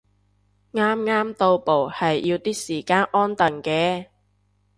啱啱到埗係要啲時間安頓嘅